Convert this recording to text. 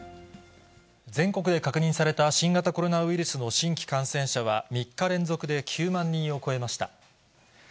全国で確認された新型コロナウイルスの新規感染者は、３日連続で９万人を超えました。